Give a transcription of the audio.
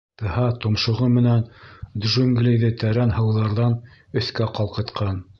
Тһа томшоғо менән джунглиҙы тәрән һыуҙарҙан өҫкә ҡалҡытҡан.